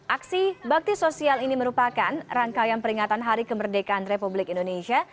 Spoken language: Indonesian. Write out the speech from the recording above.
aksi bakti sosial ini merupakan rangkaian peringatan hari kemerdekaan republik indonesia